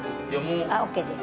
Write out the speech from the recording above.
ＯＫです。